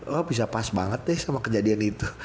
wah bisa pas banget deh sama kejadian itu